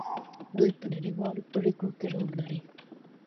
دوی په نړیوالو پریکړو کې رول لري.